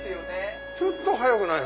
ちょっと早くない？